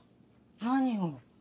何を？